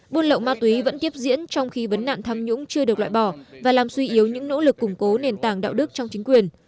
buôn lậu ma túy vẫn tiếp diễn trong khi vấn nạn tham nhũng chưa được loại bỏ và làm suy yếu những nỗ lực củng cố nền tảng đạo đức trong chính quyền